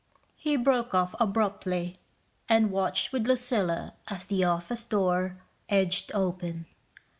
He broke off abruptly and watched with Lucilla as the office door edged open.